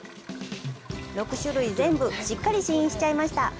６種類全部しっかり試飲しちゃいました。